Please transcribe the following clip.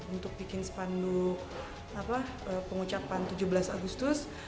untuk bikin sepanduk pengucapan tujuh belas agustus